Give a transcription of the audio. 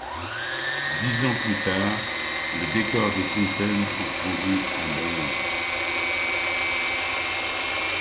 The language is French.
Dix ans plus tard, le décor des fontaines en fondu en bronze.